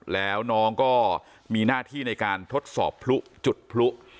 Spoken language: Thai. แล้วน้องก็มีหน้าที่ในการทดสอบพลุจุดพลุ